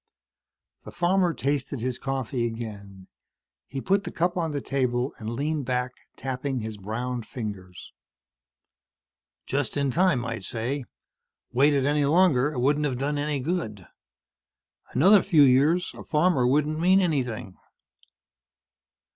The farmer tasted his coffee again. He put the cup on the table and leaned back, tapping his browned fingers. "Just in time, I'd say. Waited any longer, it wouldn't have done any good. Another few years, a farmer wouldn't mean anything."